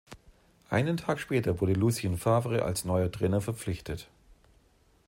Einen Tag später wurde Lucien Favre als neuer Trainer verpflichtet.